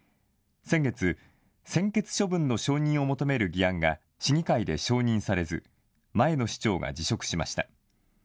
先月、専決処分の承認を求める議案が市議会で承認されず前の市長が辞職しました。